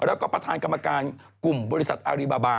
แล้วก็ประธานกรรมการกลุ่มบริษัทอารีบาบาบา